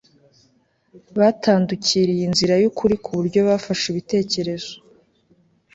Batandukiriye inzira yukuri ku buryo bafashe ibitekerezo